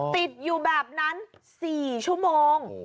ติดอยู่แบบนั้น๔ชั่วโมง